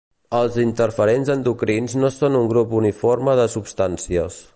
Els interferents endocrins no són un grup uniforme de substàncies.